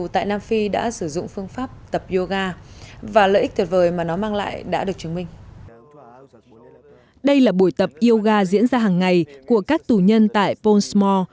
đây là buổi tập yoga diễn ra hàng ngày của các tù nhân tại pond s mall